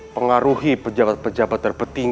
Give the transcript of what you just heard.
pengaruhi pejabat pejabat terpenting